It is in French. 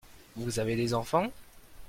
Vous avez des enfants ?